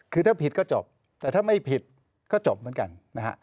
คือถ้าผิดก็จบแต่ถ้าไม่ผิดก็จบเหมือนกันนะฮะ